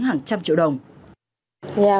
hàng trăm triệu đồng